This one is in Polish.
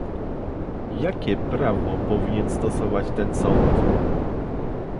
jakie prawo powinien stosować ten sąd?